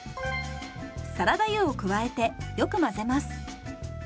サラダ油を加えてよく混ぜます。